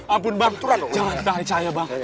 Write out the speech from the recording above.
ampun bang jangan tak ada cahaya bang